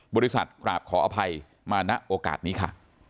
กราบขออภัยมาณโอกาสนี้ค่ะ